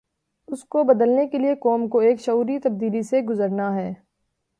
اس کو بدلنے کے لیے قوم کو ایک شعوری تبدیلی سے گزرنا ہے۔